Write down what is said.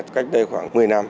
cách đây khoảng một mươi năm